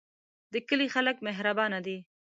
د کلی خلک مهربانه دي